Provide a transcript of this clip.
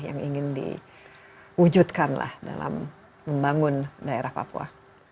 yang ingin diwujudkan dalam membangun daerah papua